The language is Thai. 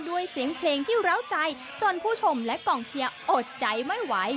ด้วยเสียงเพลงที่ร้าวใจจนผู้ชมและกองเชียร์อดใจไม่ไหว